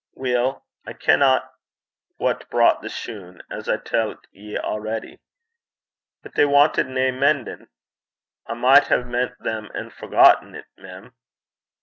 'Weel, I kenna wha brocht the shune, as I tellt ye a'ready.' 'But they wantit nae men'in'.' 'I micht hae men't them an' forgotten 't, mem.'